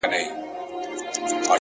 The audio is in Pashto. • تا پخپله جواب کړي وسیلې دي ,